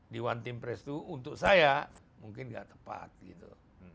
di one team press itu untuk saya mungkin nggak tepat gitu